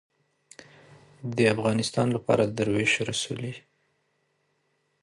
د افغانستان لپاره دروېش رسولې